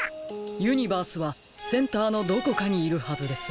ユニバースはセンターのどこかにいるはずです。